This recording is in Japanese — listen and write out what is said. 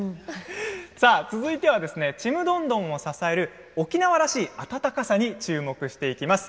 続いては「ちむどんどん」を支える沖縄らしい温かさに注目していきます。